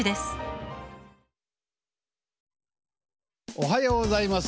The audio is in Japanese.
おはようございます。